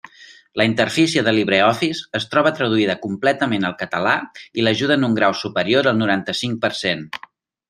La interfície del LibreOffice es troba traduïda completament al català i l'ajuda en un grau superior al noranta-cinc per cent.